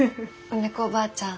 梅子ばあちゃん